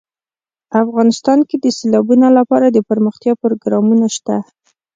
افغانستان کې د سیلابونه لپاره دپرمختیا پروګرامونه شته.